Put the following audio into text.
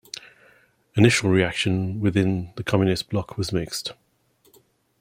Initial reaction within the Communist Bloc was mixed.